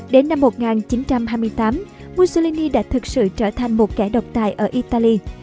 đến năm một nghìn chín trăm hai mươi tám mussolini đã thực sự trở thành một kẻ độc tài ở italy